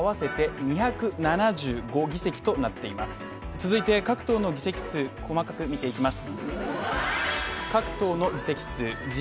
続いて各党の議席数、細かく見ていきます。